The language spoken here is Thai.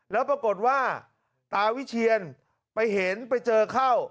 แล้วปรากฏว่าตาวิเชียนไปเห็นไปเจอเข้า